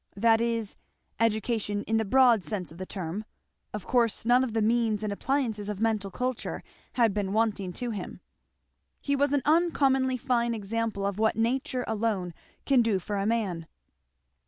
That is, education in the broad sense of the term; of course none of the means and appliances of mental culture had been wanting to him. He was an uncommonly fine example of what nature alone can do for a man.